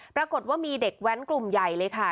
ปรากฏว่ามีเด็กแว้นกลุ่มใหญ่เลยค่ะ